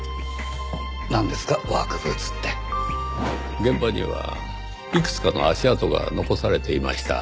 現場にはいくつかの足跡が残されていました。